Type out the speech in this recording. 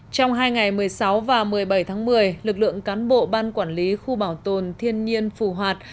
trong hai ngày một mươi sáu và một mươi bảy tháng một mươi lực lượng cán bộ ban quản lý khu bảo tồn thiên nhiên phù hoạt